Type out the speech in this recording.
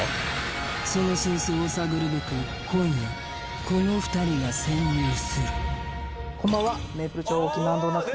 その真相を探るべく今夜この２人が潜入するこんばんはメイプル超合金の安藤なつ